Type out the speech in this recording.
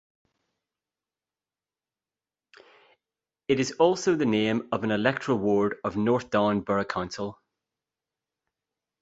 It is also the name of an electoral ward of North Down Borough Council.